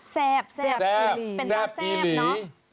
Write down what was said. แซ่บอีหลี